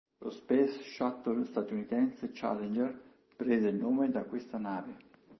Lo Space Shuttle statunitense "Challenger" prese il nome da questa nave.